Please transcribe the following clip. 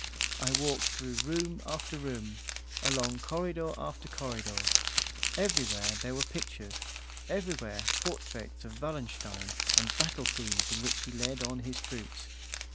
I walked through room after room, along corridor after corridor; everywhere there were pictures, everywhere portraits of Wallenstein, and battle scenes in which he led on his troops.